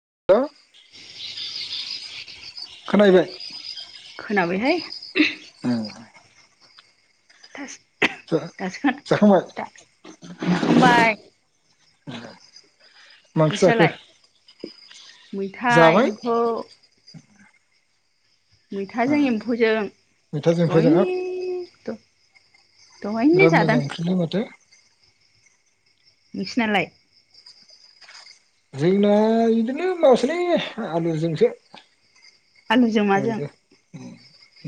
[unintelligible] [unintelligible] खोनाहैबाय खोनाबायहाय [unintelligible] थोस दासो जाखांबाय खोनदों दा जाखांबाय मा ओंख्रि जाखो नोंस्रालाय मैथा जाबाय एम्फौ मैथाजों एम्फौजों मैथाजों फोजों हाब दय द' बिराद मोजां ओंख्रिलै माथो नोंसिनालाय? जोंना बिदिनो माबासोलै आलुजोंसो आलुजों माजों ओरैनो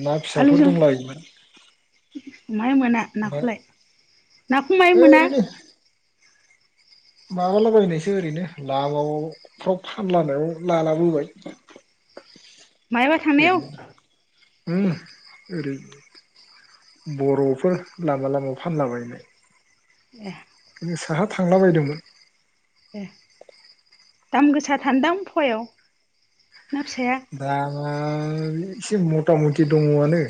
ना फिसाफोर आलुजों दंलायोमोन माहाय मोना नाखौलाय नाखौ माय मोना? ओरैनो माबालाबायनायसो ओरैनो लामावफ्राव फानलानायाव लालाबोबाय मायाबा थांनायाव ओरैनो उम ओरै बर'फोर लामा लामायाव फानलाबायनाय ए साहा थांला बायदोंमोन ए दाम गोसाथारन दां फुवायाव ना फिसाया आ इसे मता मति दङ'आनो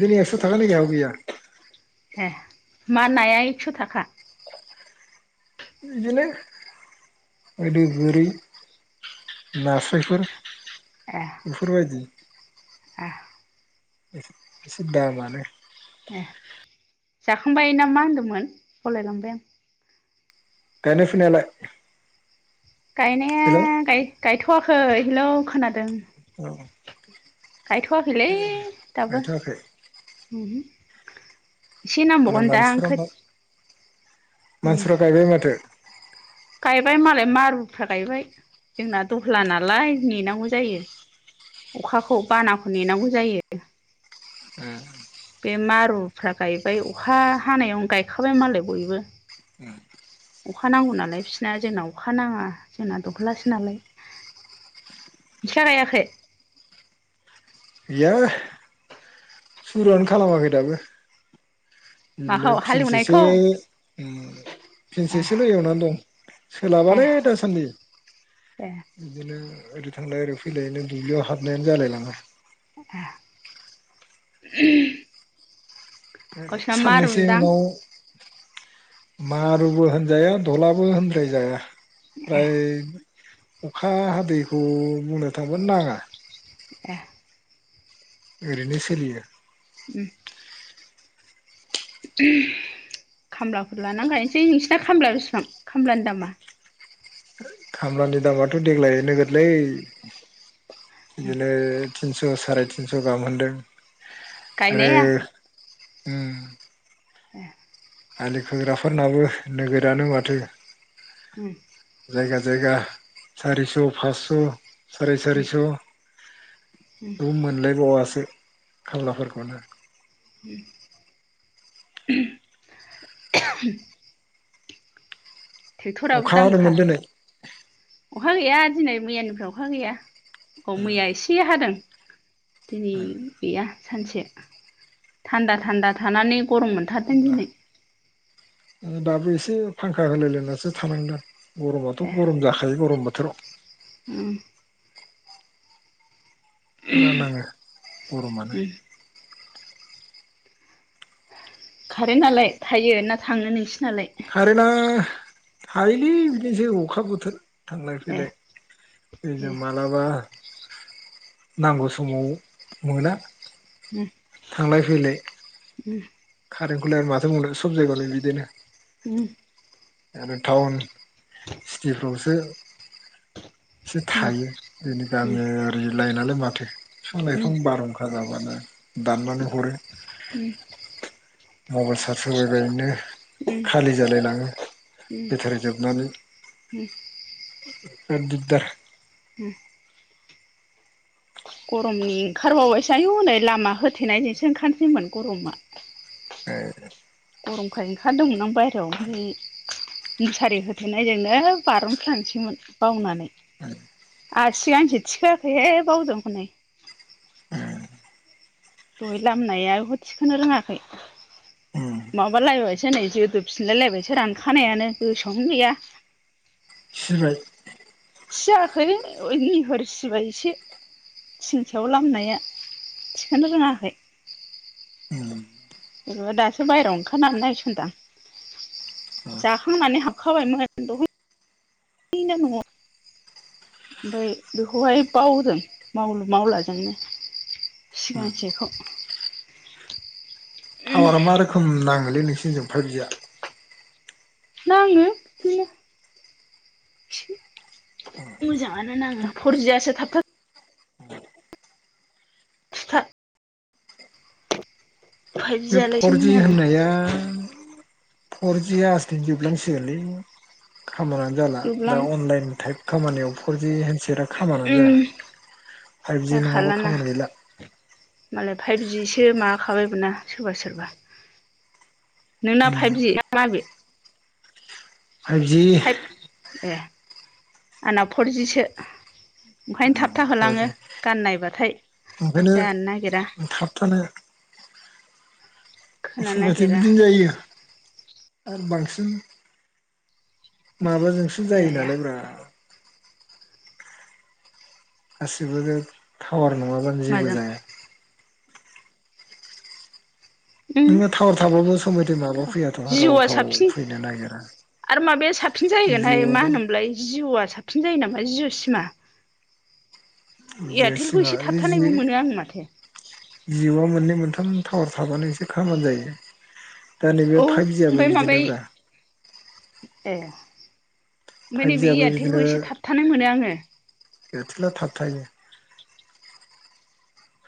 बिदिनो एकस' थाखानि गाहायाव गैया ए मा नाया एक्स' थाखा? ओरैनोलै ओदो गोरि नास्रायफोर ए बेफोरबायदि ए एसे एसे दामआनो ए। जाखांबाय ना मा होनदोंमोन बावलायलांबाय आं। गायनाय फुनायालाय? गायनाया हेलौ गाय गायथ' थ'आखै हेलौ खोनादों। औ गायथ'वाखैलै दाबो गायथ'वाखै ओमहो। मालाय मानसिफ्रा बा मानसिफ्रा गायबाय माथो। गायबाय मालाय मारुफ्रा गायबाय जोंना दहला नालाय नेनांगौ जायो अखाखौ बानाखौ नेनांगौ जायो। बे मारुफ्रा गायबाय अखा हानायावनो गायखाबाय मालाय बयबो अखा नांगौ नालाय बिसिना जोंना अखा नाङा जोंना दहलासो नालाय नोंस्रा गायाखै? गैया। सुरुआनो खालामाखै दाबो। बिदिनो माखौ फिनसेसो हालेवनायखौ ओम ए फिनसेसोल' एवनानै दं ए सोलाबालै दासान्दि ए बिदिनो। ओरै थांलाय ओरै फैलायनो दुब्लियाव हाबनायानो जालाय लाङा। ए [unintelligible] गावसिना साननैसो मारुनदां उनाव मारुबो होनजाया दलाबो होनद्रायजाया। ए फ्राय अखा हादैखौ बुंनो थाङोबा नाङा। ए। ओरैनो सोलियो। उम। खामलाफोर लाना गायनोसै नोंसिना खामला बेसेबां खामलानि दामा? खामलानि दामाथ देग्लाय नोगोदलै। बिदिनो थिनस‌' साराय तिनस गाहाम होनदों। आरो गायनाया ओम। ए। आलि खोग्राफोरनाबो नोगोरानो माथो। उम। जायगा जायगा सारिस' फासस'। सारि उम सारि स'। उम रुम मोनलायबावासो। खामलाफोरखौनो। उम [unintelligible] अखा दामखा हादोंमोन दोनै? अखा गैया दिनै मैयानिफ्राय अखा गैया। अ मैया एसे हादों। दिनै गैया सानसे थान्दा थान्दा थानानै गरम मोनथारदों दिनै दाबो एसे फांखा होलायलायनासो थानांदां। गरमाथ गरम जाखायो गरमबोथ थोराव। होम। फुरा नाङो गरमानो। उम खारेन नालाय थायो ना थांनो नोंसि खारेना थायोलै बिदिनोसै अखा बोथोर। थांलाय ए फैलाय ए मालाबा नांगौ समाव मोना। उम । थांलाय फैलाय। उम। खारेनखौलाय आरो माथो बुंनो सब जायगायावनो बिदिनो। उमह। आरो टाउन सिटिफ्रावसो एसे उम उम थायो जोंनि उम गामिआरि लाइन आ लाय बवाथो उम फिफां-लाइफां बारहुखार‌ जाव मोनो। दानबानो हरो उम मबाइल सार्ज होबाय बायनो उम नो खालि जालाय लाङो बेटारि जोबनानै। दिगदार। उम। गरमनि ओंखारबावबायसो आयु नै लामा होथेनाय जोंसो ओंखारसैमोन गरमा। गरमखाय ओंखारदोंमोन आं बायहेरायाव ओमफ्राय मुसारि होथेरनायजोंनो बारनफ्लांसैमोन बावनानै आरो सिगांसे थिखोआखैहाय बावदों हनै। दहाय लामनाया बेखौ थिखोनो रोङाखै उम माबा लायबायसो नै जोदोब फिनलाय लायबायसो रानखानायानो गोसोआवनो गैया। सिबाय? सियाखै निहर सिबाय एसे थिं सायाव लामनाया थिखोनो रोङाखै। उम बेबा दासो बायह्रायाव ओंखारनानै नायसनदां जाखांनानै हाबखाबायमोन दहायनो न'आव ओमफ्राय बेखौहाय बावदों मावलु मावलाजोंनो सिगांसे खौ। टावारा मा रोखोम नाङो? बे नोंसिनिजों फाइभ जिया? नाङो। मोजाङानो नाङो फर जि यासो थाब थाब थुथा फाइभ बे जियालाय एसे फर जि मोजां नाङो होननाया फर जिया आजथेनो जोबलांसिगोनलै खामानो जाला जोबलां दा अनलाइन टाइप खामानियाव फर जि सेटआ खामानिनो उम जाया फाइभ जि नङाबा खामानि गैला फाइभ जिसो माबाखाबाय बो ना सोरबा सोरबा नोंना उम फाइभजि मा बे फाइभजि फाइभ आंनाव फरजिसो ओंखायनो थाब था फरजि होलांङो गान नायबा [unintelligible] ओंखायनो थाबथानो खोनानो [unintelligible] बिदिनो नागिरा जायो आरो बांसिन माबाजोंसो जायो जाया नालाय ब्रा गासिबो थावार नङाबानो जेबो माजों जाया उम नोङो टावार थाबाबो सम मथ माबा फैयाथ' राव जिअ'आ थाव साबसिन फैनो नागिरा आरो माबाया साबसिन जाहैगोनहाय मा जिउआव होनोमोनलाय जिअ'आ साबसिन जायो नामा जिय सिमा ज एयारटेलखौ सिमा एसे बे थाबथानायबो जि मोनो आं माथो जिअ' मोननै मोनथाम टावार थाबानो एसे खामानि जायो दा औ नैबे ओमफ्राय फाइभजियाबो माबाय बिदिनो ब्रा ए ओमफ्राय नै बे फाइभजियाबो एयारटेलखौ एसे थाबथानो मोनो आङो एआर्टेला थाब थायो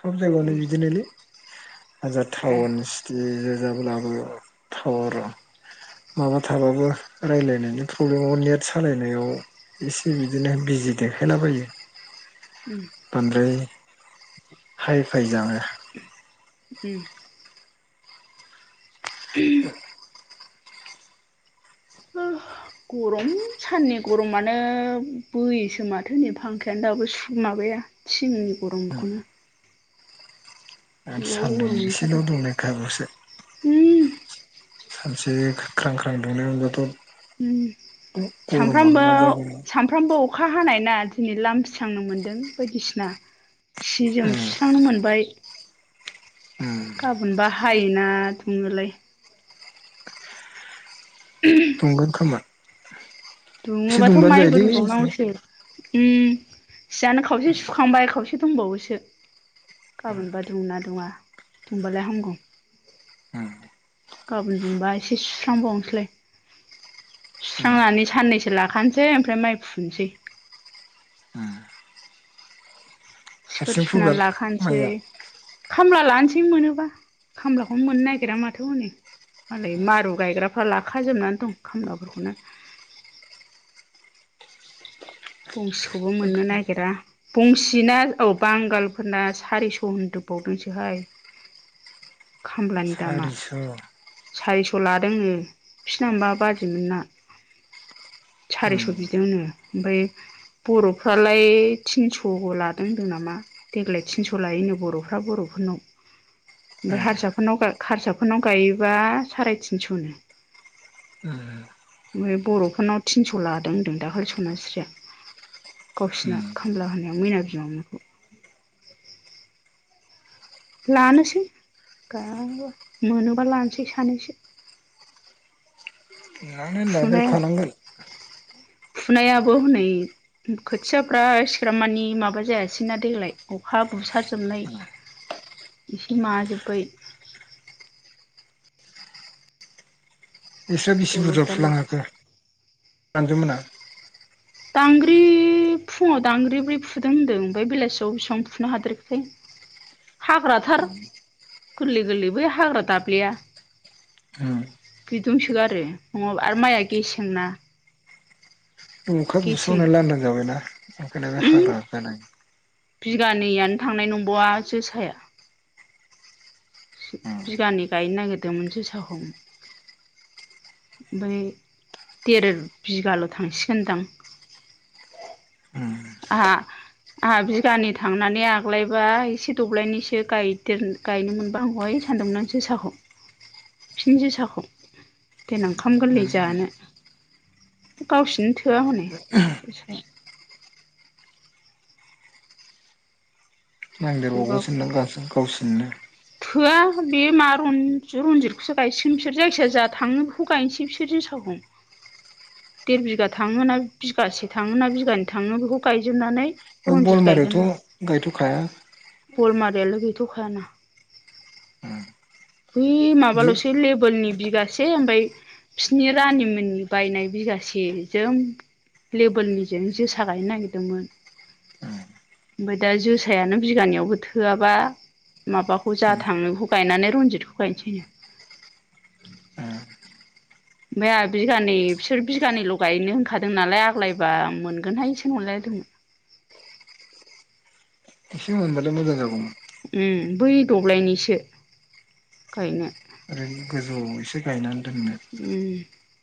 सब जायगायावनो उम बिदिनोलै हाजार ए टाउन सिटि जाब्लाबो टावार माबा थाबाबो राय्लायनायनि प्रब्लेमाव नेट सालायनायाव एसे बिदिनो बिजि देखायलाबायो उम बांद्राय हाय फाय जानो उ [inaudible] गरम साननि गरमानो बोयोसो माथो नै फांखायानो दाबो माबाया थिंनि गरमखौनो आरो गोबाव सान्दुं गरम एसेल' मोनथारदों दुंनाय खारबासो उम ख्रांख्रां दुंनाय मोनबाथ' उम गरमानो सामफ्रामबो मा जागौमोन सानफ्रामबो अखा हानाय ना दिनै लामस्रांनो मोन्दों बायदिसिना सि जोम उम सुस्रांनो मोनबाय। [inaudible] उम गाबोन बा हायोना दुङोलाय दुंगोन खोमा एसे दुङबाथ' दुंबानो माइबो जायोलै रुबाव एसे नांगौसो उम सियानो खावसे सुखांबाय खावसे दंबावोसो गाबोनबा दुङोना दुङा दुंबाला हामगौ। गाबोन दुंबा एसे सुस्रांबावनोसैलाय सुस्रांनानै साननैसो लाखानोसै ओमफ्राय माइ फुनोसै सिफोर हारसिं सुना फुगोन लाखानोसै माइया खामला लानोसै मोनोबा खामलाखौनो मोननो नागिरा माथो हनै मालाय मारु गायग्राफ्रा लाखाजोबनानै दं खामलाफोरखौनो। बंसिखौबो मोननो नागिरा बंसिना औ बांगालफोरना सारिस' होनदो बावदोंसोहाय सारिस' सारिस' लादोंनो बिसिना माबा बाजैमोनना सारिस' उम बिदोंनो ओमफ्राय बर'फ्रालाय तिनस'बो लादों होनदों नामा देग्लाय तिनस' लायो बर'फ्रा बर'फोरनाव। ओमफ्राय हारसाफोरनाव हारसाफोरनाव गायोबा साराय तिनस'नो ओमफ्राय बर'फोरनाव थिनस' लादों होनदों दाखालि सनास्रिया गावसिना फुनानै खामला होनायाव मैना बिमामोन लानोसै गाब मोनोबा लानोसै सानैसो माने फुबाय आं लादेरखानांगोन। फुनायाबो हनै खोथियाफ्रा सिग्राब मानि माबा जायासै ना देग्लाय अखा बुसारजोबनाय एसे माजोब्बाय बिस्रा बेसे दलद बुरजा दाला फुलां हाखो? आंग्रोमोना दांग्रि फुङाव दांग्रि ब्रै फुदों होनदों ओमफ्राय बेलासियाव बेसिबां फुनो हादेरखोथाय हाग्रा थार गोरलै गोरलै बै हाग्रा दाबलेया बि दुंसोगारो नङाबा आरो माइआ गेसेंना अखा गेसें बुसावना लांदां जाबायना ओंखायनो बे उम हाग्रा गोनां बिगानैयानो थांनाय नंबावा जोसाया उम बिगानै गायनो नागिरदोंमोन जोसाखौ ओमफ्राय देर बिगाल' थांसिगोनदां उम आहा आहा बिगानै थांनानै आग्लायबा एसे दब्लायनिसो गायदेर गायनो मोन बा हामगौहाय सानदोंमोन आं जोसाखौ फिन जोसाखौ देनां ओंखाम गोरलै जानो गावसनो थोआ हनै जोसाया बेबा थोबावासोदां गावसिन गावसिननो थोआ बे मा रनज रनजितखौसो गायसिगोन बिसोर जायखिजाया जा थाङो बेखौ गायनोसै बिसोर जोसाखौ देर बिगा थाङो ना बिगासे थाङो ना बिगानै थाङो बेखौ गायजोबनानै बे रनजित गायगोन ना बलमारियाथ' गायथ'खाया थ'खायाना बै बि माबाल'सो लेबेलनि बि गासे ओमफ्राय बिसोरनि रानिमोननि बायनाय बिगासे जों लेबोलनिजों जोसा गायनो नागिरदोंमोन ओमफ्राय दा जोसायानो बिगानैयावबो थोआबा माबाखौ जा उम थाङो बेखौ गायनानै रनजित खौ गायसैनो। ओ ओमफ्राय आहा बिगानै बिसोर बिगानैल' गायनो होनखादों नालाय आग्लायबा आं मोनगोनहायसो नंलायलायदोंमोन। एसे मोनबालाय मोजां जागौमोन। उम बै दब्लायनिसो गायनो। ओरैनो [unintelligible] गायनानै दोननो उम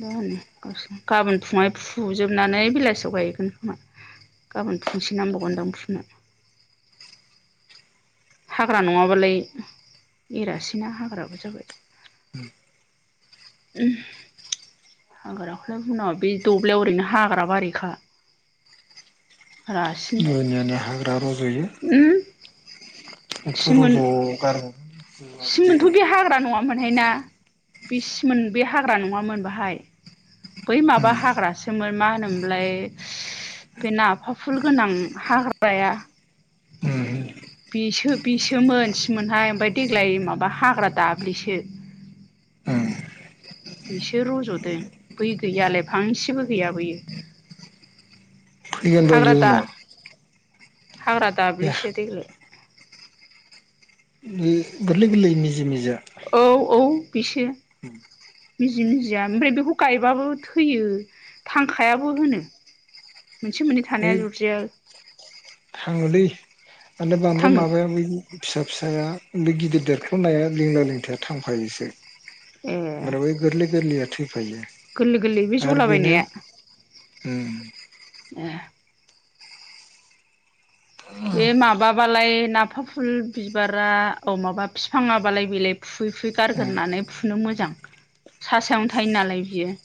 मा होनो गावसोर गाबोन फुङावहाय फुजोबनानै बेलासियाव गायगोन खोमा गाबोन फुंसे नांबावगोनदां फुनो हाग्रा नङाबालाय एरासैना हाग्राबो जाबाय [unintelligible] हाग्राखौलाय बुंनाङा बे दब्लाययाव ओरैनो हाग्रा बारिखा। रासिन दुनियानि हाग्रा रज'यो उम बेथ' सिमोन रज' गारहोन सिमोनथ' बे हाग्रा नङा मोनहाय ना बे सिमोन बे हाग्रा नङामोन बाहाय बै माबा हाग्रासोमोन मा होनोमोनलाय बे नाफाफुल गोनां हाग्राया बिसो बिसोमोम सिमोनहाय ओमफाय देग्लाय माबा हाग्रा दाब्लिसो बेसो रज'दों बै गैयालाय फांसेबो गैया बैयो फैगोन बा हाग्रा बेयो दा उनाव हाग्रा बे दाब्लेसो देग्लाय बे गोरलै गोरलै मिजि मिजि औ औ बेसो मिजि मिजिया ओमफ्राय बेखौ गायबाबो थैयो थांखायाबो होनो मोनसे मोननै है थानाया अरजाया थाङोलै बांद्राय बांद्राय थाङो माबाया बै फिसा फिसाया बे गिदिर देरख्ल'नाया लिंला लिंथाया थांफायोसो ए ओमफ्राय बै गोरलै गोरलैया फायो गोरलै गोरलै बे आरो बेनो जलाबायनाया उम ए बे माबाबालाय नाफाफुल बिबारा औ माबा बिफाङाबालाय बेलाय फुयै फुयै उम गारग्रोनानै फुनो मोजां सा सायावनो थायो नालाय बियो।